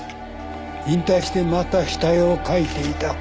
引退してまた下絵を描いていたか。